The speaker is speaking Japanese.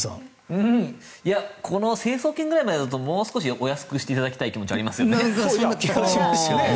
この成層圏ぐらいまでだともう少しお安くしていただきたい部分はありますよね。